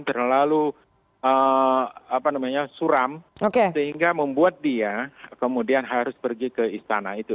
terlalu suram sehingga membuat dia kemudian harus pergi ke istana itu